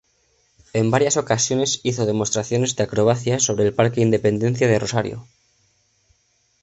En varias ocasiones hizo demostraciones de acrobacia sobre el Parque Independencia de Rosario.